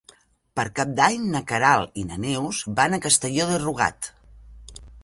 Per Cap d'Any na Queralt i na Neus van a Castelló de Rugat.